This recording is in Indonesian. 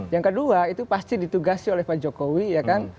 yang kedua itu pasti ditugasi oleh pak jokowi ya kan